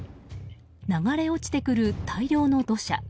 流れ落ちてくる大量の土砂。